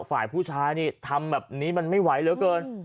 ฝ่ายผู้ชายนี่ทำแบบนี้มันไม่ไหวเหลือเกิน